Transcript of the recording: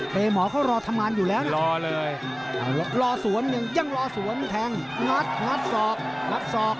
แต่หมอเขารอทำงานอยู่แล้วนะรอเลยรอสวนยังรอสวนแทงงัดงัดศอกงัดศอก